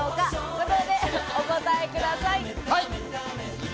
５秒でお答えください。